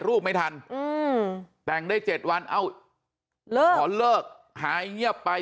รูปไม่ทันอืมแต่งได้๗วันเอ้าขอเลิกหายเงียบไป